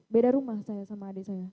beda rumah saya sama adik saya